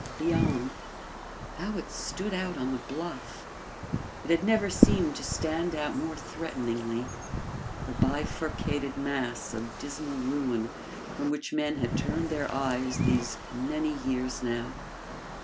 Beyond ... how it stood out on the bluff! it had never seemed to stand out more threateningly!... the bifurcated mass of dismal ruin from which men had turned their eyes these many years now!